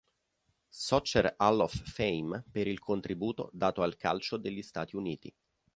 Soccer Hall of Fame" per il contributo dato al calcio degli Stati Uniti.